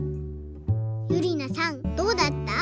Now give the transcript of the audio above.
ゆりなさんどうだった？